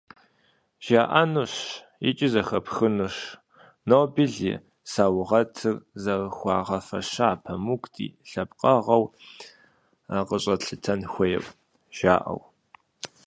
ЖаӀэнущ, икӀи зэхэпхынущ, Нобель и саугъэтыр зэрыхуагъэфэщара Памук ди лъэпкъэгъуу къыщӀэтлъытэн хуейр, жаӀэу.